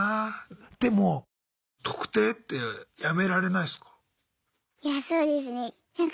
でも「特定」ってやめられないすか？